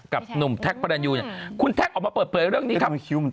กับหนุ่มแท็กประรันยูเนี่ยคุณแท็กออกมาเปิดเผยเรื่องนี้ครับ